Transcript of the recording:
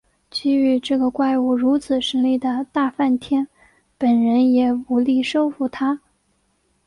给予这个怪物如此神力的大梵天本人也无力收服它。